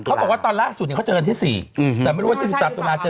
เขาบอกว่าตอนล่าสุดเนี่ยเขาเจอวันที่๔แต่ไม่รู้วันที่๑๓ตุลาเจอ